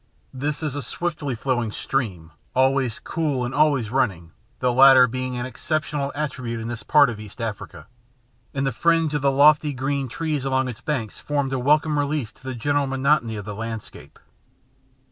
This is a swiftly flowing stream, always cool and always running, the latter being an exceptional attribute in this part of East Africa; and the fringe of lofty green trees along its banks formed a welcome relief to the general monotony of the landscape.